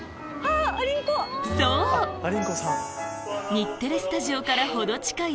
日テレスタジオから程近い